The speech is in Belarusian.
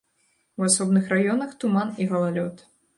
У асобных раёнах туман і галалёд.